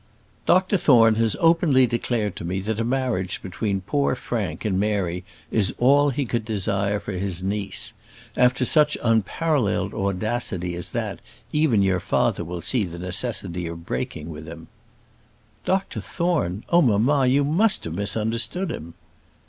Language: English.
"Dr Thorne has openly declared to me that a marriage between poor Frank and Mary is all he could desire for his niece. After such unparalleled audacity as that, even your father will see the necessity of breaking with him." "Dr Thorne! Oh, mamma, you must have misunderstood him."